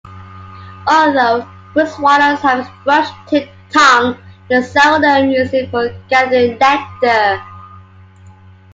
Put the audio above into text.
Although woodswallows have a brush-tipped tongue they seldom use it for gathering nectar.